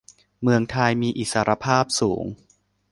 เมืองไทยมีอิสรภาพสูง